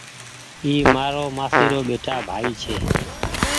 اي مآر مآسي رو ٻيٽآ ڀآئي ڇي